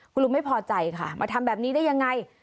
คุณลุงไม่พอใจค่ะมาทำแบบนี้ได้ยังไง